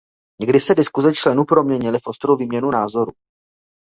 Někdy se diskuze členů proměnily v ostrou výměnu názorů.